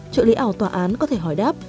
trợ lý ảo tòa án có thể hỏi đáp